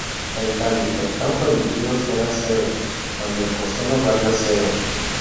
En cambio, el campo emitido será cero cuando el coseno valga cero.